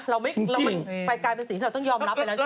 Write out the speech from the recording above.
เราไม่มันกลายเป็นสิ่งที่เราต้องยอมรับไปแล้วใช่ไหมจริง